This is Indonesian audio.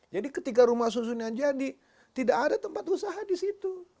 jadi ketika rumah susunnya jadi tidak ada tempat usaha di situ